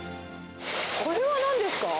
これはなんですか？